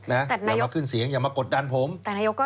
นะอย่ามาขึ้นเสียงอย่ามากดดันผมแต่นายกก็